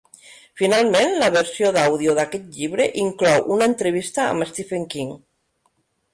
Finalment, la versió d'àudio d'aquest llibre inclou una entrevista amb Stephen King.